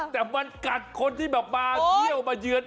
แต่มันกัดคนที่แบบมาเที่ยวมาเยือน